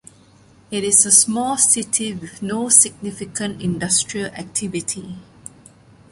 It is a small city with no significant industrial activity.